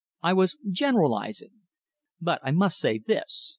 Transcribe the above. "I was generalizing. But I must say this.